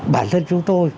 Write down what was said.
bản thân chúng tôi